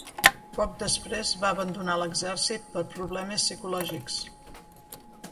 Poc després va abandonar l'exèrcit per problemes psicològics.